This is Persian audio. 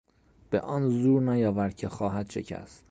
به آن زور نیاور که خواهد شکست.